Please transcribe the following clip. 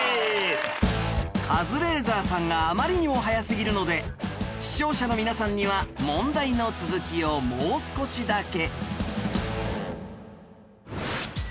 カズレーザーさんがあまりにも早すぎるので視聴者の皆さんには問題の続きをもう少しだけ